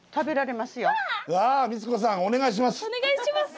お願いします。